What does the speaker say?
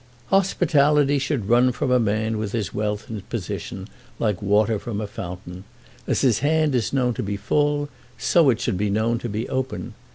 "Hospitality should run from a man with his wealth and his position, like water from a fountain. As his hand is known to be full, so it should be known to be open.